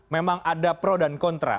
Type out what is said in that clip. memang ada pro dan kontra